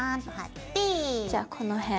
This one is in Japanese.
じゃこの辺。